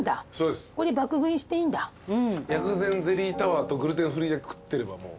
薬膳ゼリータワーとグルテンフリーだけ食ってればもう。